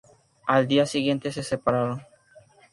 Al día siguiente se separaron.